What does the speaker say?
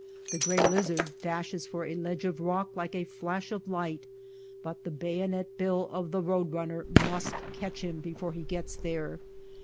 The gray lizard dashes for a ledge of rock like a flash of light ; but the bayonet bill of the road runner must catch him before he gets there.